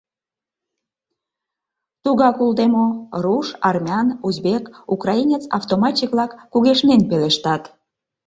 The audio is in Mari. — Тугак улде мо! — руш, армян, узбек, украинец автоматчик-влак кугешнен пелештат.